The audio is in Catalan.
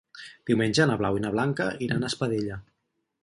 Diumenge na Blau i na Blanca iran a Espadella.